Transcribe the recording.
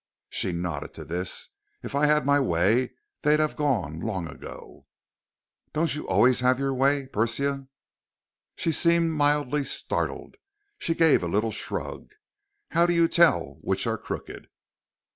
She nodded to this. "If I'd had my way, they'd have gone long ago." "Don't you always have your way, Persia?" She seemed mildly startled. She gave a little shrug. "How do you tell which are crooked?"